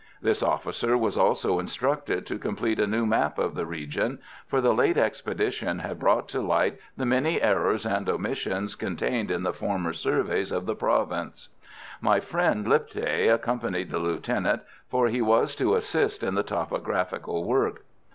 This officer was also instructed to complete a new map of the region, for the late expedition had brought to light the many errors and omissions contained in the former surveys of the province. My friend Lipthay accompanied the Lieutenant, for he was to assist in the topographical work.